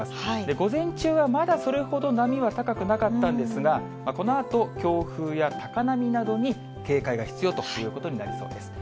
午前中はまだそれほど波は高くなかったんですが、このあと、強風や高波などに警戒が必要ということになりそうです。